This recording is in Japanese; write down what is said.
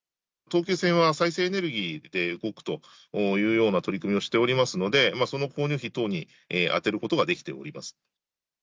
東急線は再生エネルギーで動くというような取り組みをしておりますので、その購入費等に充てることができております。